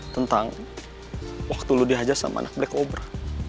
tentang waktu lo diajas sama anak black cobra